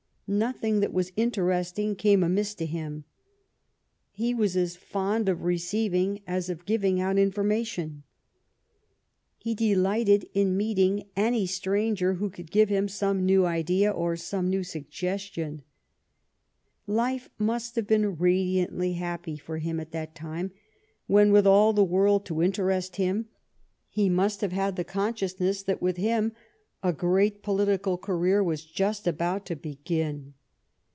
Nothing that was interesting came amiss to him. He was as fond of receiving as of giving out in formation. He delighted in meeting any stranger who could give him some new idea or some new suggestion. Life must have been radiantly happy for him at that time, when, with all the world to interest him, he must have had the conscious ness that with him a great political career was just about to begin.